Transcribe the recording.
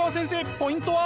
ポイントは？